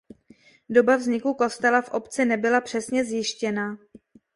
Doba vzniku kostela v obci nebyla přesně zjištěna.